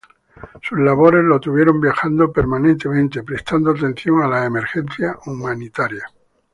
Sus labores lo tuvieron viajando permanentemente, prestando atención a las emergencias humanitarias.